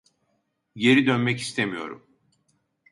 Geri dönmek istemiyorum.